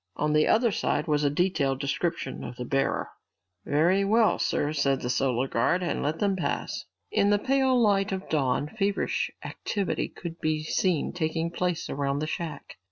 On the other side was a detailed description of the bearer. "Very well, sir," said the guard and let them pass. In the pale light of dawn, feverish activity could be seen taking place around the shack.